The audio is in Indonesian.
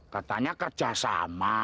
katanya kerja sama